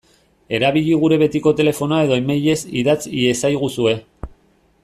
Erabili gure betiko telefonoa edo emailez idatz iezaguzue.